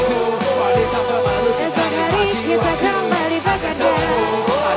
esok hari kita kembali bekerja